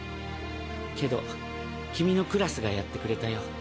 けど君のクラスがやってくれたよ。